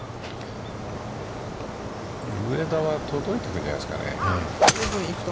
上田は届いてるんじゃないですかね。